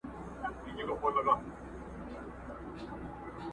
ښاخ پر ښاخ باندي پټېږي کور یې ورک دی٫